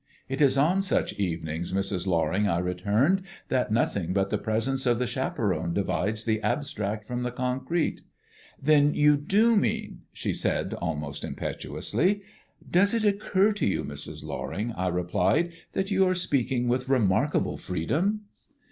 "It is on such evenings, Mrs. Loring," I returned, "that nothing but the presence of the chaperone divides the abstract from the concrete." "Then you do mean " she said almost impetuously. "Does it occur to you, Mrs. Loring," I replied, "that you are speaking with remarkable freedom?"